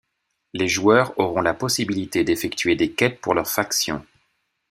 Les joueurs auront la possibilité d'effectuer des quêtes pour leur faction.